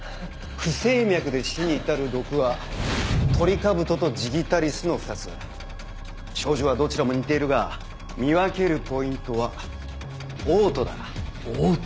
不整脈で死に至る毒はトリカブトとジギタリスの２つだ症状はどちらも似ているが見分けるポイントは嘔吐だ嘔吐？